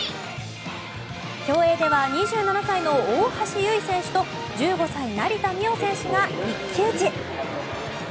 競泳では２７歳の大橋悠依選手と１５歳、成田実生選手が一騎打ち。